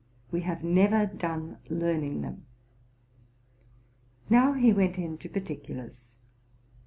we have never done learning them.'' Now he went into particulars.